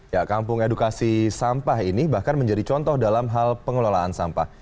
ya kampung edukasi sampah ini bahkan menjadi contoh dalam hal pengelolaan sampah